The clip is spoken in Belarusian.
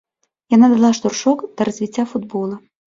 Яна дала штуршок да развіцця футбола.